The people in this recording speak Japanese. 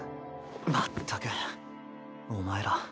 まったくお前ら。